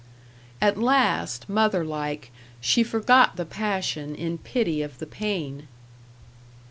At last, mother like, she forgot the passion in pity of the pain.